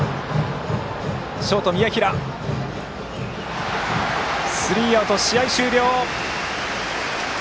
ショート、宮平つかんでスリーアウト、試合終了！